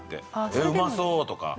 えうまそうとか。